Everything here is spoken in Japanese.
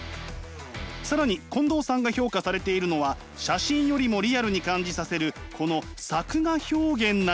更に近藤さんが評価されているのは写真よりもリアルに感じさせるこの作画表現なのです。